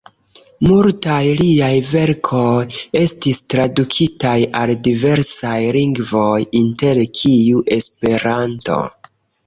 Multaj liaj verkoj estis tradukitaj al diversaj lingvoj, inter kiuj Esperanto.